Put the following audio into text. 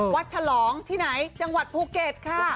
ฉลองที่ไหนจังหวัดภูเก็ตค่ะ